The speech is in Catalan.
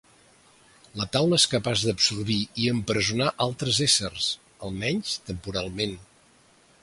La taula és capaç d'absorbir i empresonar altres éssers, almenys temporalment.